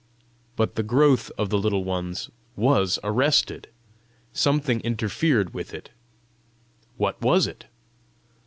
But the growth of the Little Ones WAS arrested! something interfered with it: what was it?